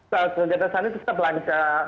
kegiatan sani itu tetap lancar